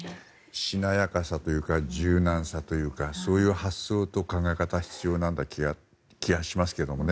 しなやかさというか柔軟さというかそういう発想と考え方が必要な気がしますけどね。